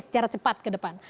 secara cepat ke depan